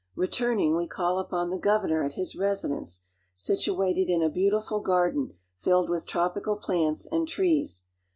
Returning, we call upon the governor ■ at his residence, situated in a beautiful garden filled with Itropical plants and trees.